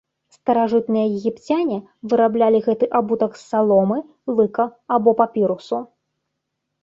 Старажытныя егіпцяне выраблялі гэты абутак з саломы, лыка або папірусу.